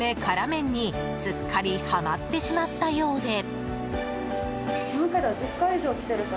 麺にすっかりはまってしまったようで。